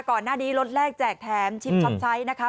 ก่อนหน้านี้รถแรกแจกแถมชิมช็อปใช้นะคะ